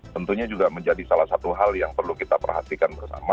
tentunya juga menjadi salah satu hal yang perlu kita perhatikan bersama